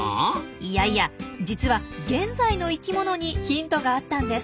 いやいや実は現在の生きものにヒントがあったんです。